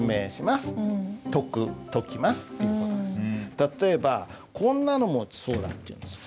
例えばこんなのもそうだっていうんですよ。